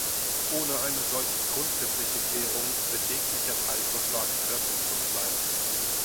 Ohne eine solche grundsätzliche Klärung wird jeglicher Teilvorschlag wirkungslos bleiben.